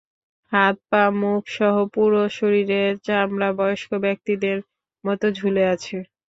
হাত, পা, মুখসহ পুরো শরীরের চামড়া বয়স্ক ব্যক্তিদের মতো ঝুলে আছে।